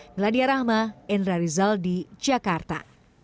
meladia rahma indra rizal di jakarta